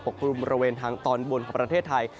ปกปรุงบริเวณทางตอนบุญของประเทศไทย